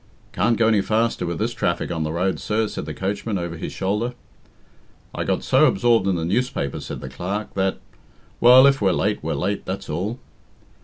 "Can't go any faster with this traffic on the road, sir," said the coachman over his shoulder. "I got so absorbed in the newspaper," said the Clerk, "that Well, if we're late, we're late, that's all."